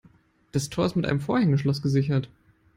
Das Tor ist mit einem Vorhängeschloss gesichert.